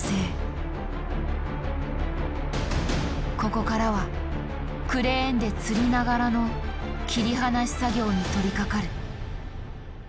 ここからはクレーンでつりながらの切り離し作業に取りかかる。